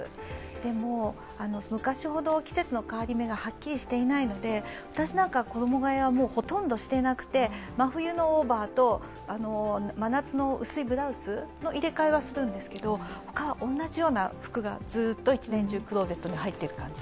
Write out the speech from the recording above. でも、昔ほど季節の変わり目がはっきりしていないので、私なんかは衣替えはほとんどしていなくて真冬のオーバーと、真夏の薄いブラウスの入れ替えはするんですけどほかは同じような服がずっと１年中、クローゼットに入っている感じで。